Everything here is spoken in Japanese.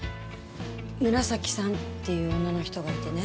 紫さんっていう女の人がいてね。